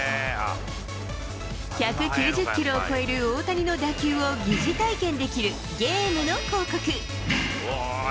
１９０キロを超える大谷の打球を疑似体験できるゲームの広告。